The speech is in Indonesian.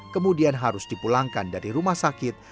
kemudian harus dipulangkan dari rumah sakit